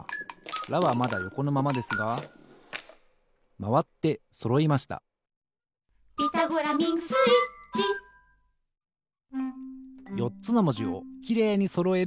「ラ」はまだよこのままですがまわってそろいました「ピタゴラミングスイッチ」よっつのもじをきれいにそろえる